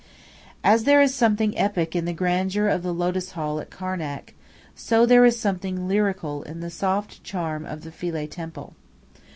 As there is something epic in the grandeur of the Lotus Hall at Karnak, so there is something lyrical in the soft charm of the Philae temple.